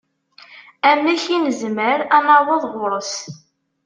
Amek i nezmer ad naweḍ ɣur-s?